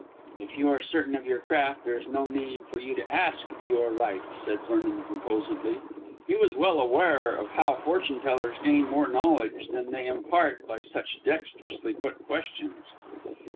"If you are certain of your craft, there is no need for you to ask if you are right," said Vernon composedly. He was well aware of how fortune tellers gain more knowledge than they impart by such dexterously put questions.